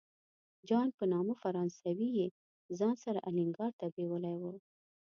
جان په نامه فرانسوی یې ځان سره الینګار ته بیولی و.